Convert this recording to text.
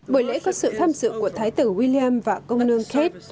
bởi lễ có sự tham dự của thái tử william và công nương kate